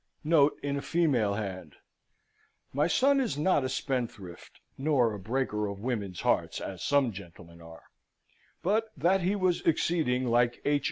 [Note, in a female hand: "My son is not a spendthrift, nor a breaker of women's hearts, as some gentlemen are; but that he was exceeding like H.